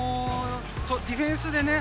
ディフェンスでね。